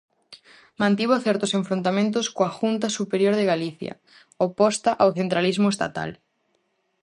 Mantivo certos enfrontamentos coa Junta Superior de Galicia, oposta ao centralismo estatal.